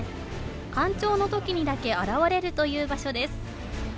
干潮の時にだけ現れるという場所です。